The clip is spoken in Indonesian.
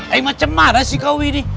eh macemana sih kau ini